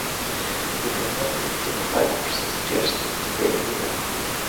It reportedly took five or six years to break even.